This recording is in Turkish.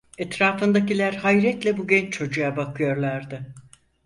Etrafındakiler hayretle bu genç çocuğa bakıyorlardı.